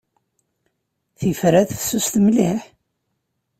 Tifrat fessuset mliḥ.